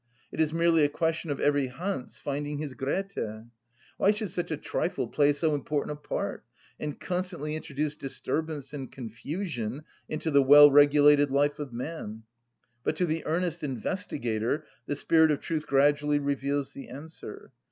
It is merely a question of every Hans finding his Grethe.(37) Why should such a trifle play so important a part, and constantly introduce disturbance and confusion into the well‐regulated life of man? But to the earnest investigator the spirit of truth gradually reveals the answer.